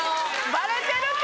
バレてるて。